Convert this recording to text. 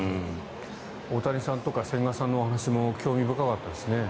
大谷さんとか千賀さんの話も興味深かったですね。